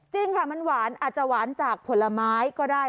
จริงค่ะมันหวานอาจจะหวานจากผลไม้ก็ได้